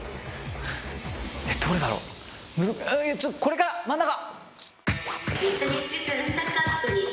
これか真ん中。